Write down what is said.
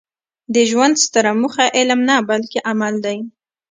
د ژوند ستره موخه علم نه؛ بلکي عمل دئ.